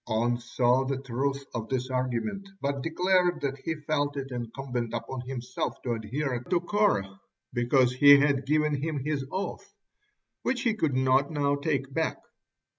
On saw the truth of this argument, but declared that he felt it incumbent upon himself to adhere to Korah because he had given him his oath, which he could not now take back.